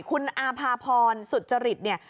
คุณอาภาพรสุจริตเนี่ย